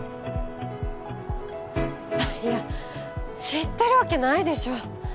いや知ってるわけないでしょ。